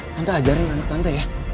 tante ajarin anak tante ya